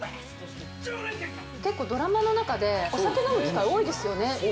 結構、ドラマの中で、お酒飲む機会、多いですよね。